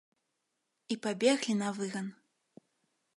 І пабеглі на выган.